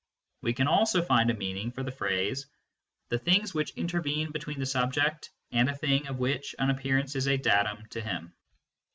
We can also find a meaning for the phrase " the things which intervene between the subject and a thing of which an appearance is a datum to him."